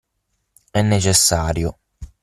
È necessario.